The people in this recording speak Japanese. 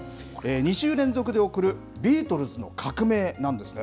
２週連続で送る、ビートルズの革命なんですね。